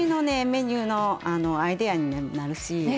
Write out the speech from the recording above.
メニューのあのアイデアになるし。